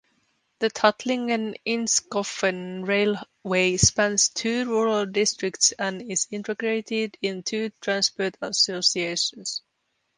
The Tuttlingen–Inzigkofen railway spans two rural districts and is integrated in two transport associations.